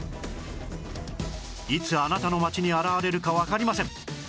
いつあなたの街に現れるかわかりません